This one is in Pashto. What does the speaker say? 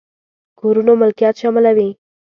کورونو ملکيت شاملوي.